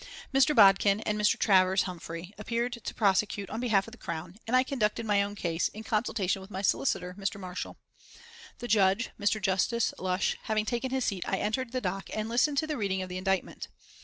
Mr. Bodkin and Mr. Travers Humphreys appeared to prosecute on behalf of the Crown, and I conducted my own case, in consultation with my solicitor, Mr. Marshall. The Judge, Mr. Justice Lush, having taken his seat I entered the dock and listened to the reading of the indictment.